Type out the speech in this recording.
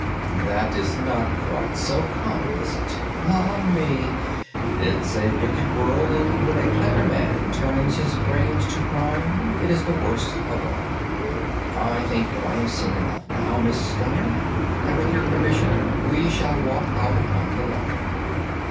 "That is not quite so common, is it? Ah, me! it's a wicked world, and when a clever man turns his brains to crime it is the worst of all. I think that I have seen enough now, Miss Stoner, and with your permission we shall walk out upon the lawn."